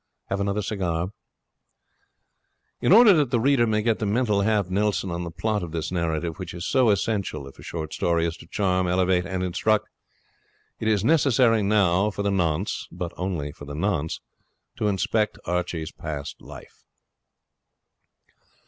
'Have another cigar?' In order that the reader may get the mental half Nelson on the plot of this narrative which is so essential if a short story is to charm, elevate, and instruct, it is necessary now, for the nonce (but only for the nonce), to inspect Archibald's past life.